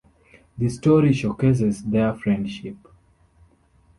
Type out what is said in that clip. The story showcases their friendship.